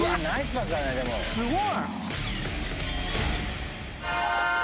すごい！